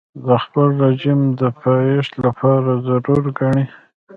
د خپل رژیم د پایښت لپاره ضرور ګڼي.